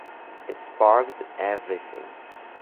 It sparked everything.